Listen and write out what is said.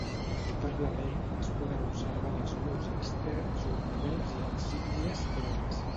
Notablement, es poden observar en els murs externs ornaments i insígnies gregues.